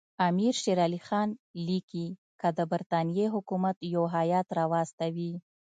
امیر شېر علي خان لیکي که د برټانیې حکومت یو هیات راواستوي.